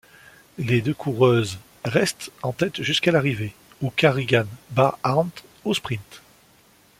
Les deux coureuses restent en tête jusqu'à l'arrivée, où Carrigan bat Arndt au sprint.